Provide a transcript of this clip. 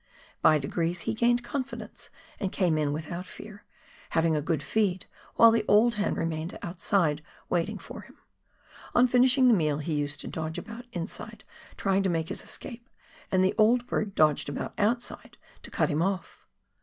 By degrees he gained confidence and came in without fear, having a good feed while the old hen remained outside waiting for him ; on his finishing the meal he used to dodge about inside trying to make his escape, and the old bird dodged about out side to cut him off.